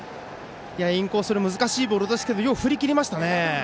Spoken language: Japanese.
インコースの難しいボールですけどよく振り切りましたね。